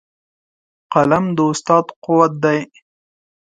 قلم د استاد قوت دی.